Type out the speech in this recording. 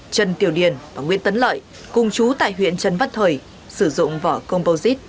trần tiểu điền và nguyễn tấn lợi cùng chú tại huyện trần văn thời sử dụng vỏ composite